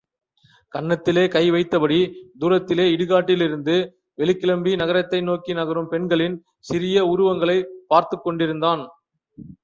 கன்னத்திலே கை வைத்தபடி தூரத்திலே இடுகாட்டிலிருந்து வெளிக்கிளம்பி நகரத்தை நோக்கி நகரும் பெண்களின் சிறிய உருவங்களைப் பார்த்துக் கொண்டிருந்தான்.